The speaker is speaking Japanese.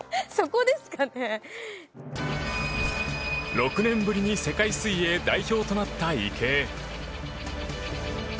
６年ぶりに世界水泳代表となった池江。